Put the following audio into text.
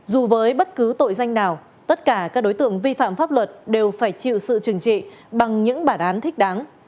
dù với bất cứ tội danh nào tất cả các đối tượng vi phạm pháp luật đều phải chịu sự trừng trị bằng những bản án thích đáng